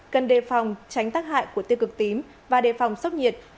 cần đề phòng tránh tác hại của tiêu cực tím và đề phòng sốc nhiệt